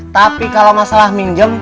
tapi kalo masalah minjem